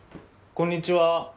こんにちは。